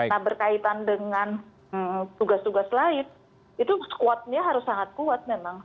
nah berkaitan dengan tugas tugas lain itu squadnya harus sangat kuat memang